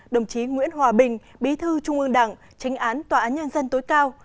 đồng chí nguyễn hòa bình bí thư trung ương đảng tránh án tòa án nhân dân tối cao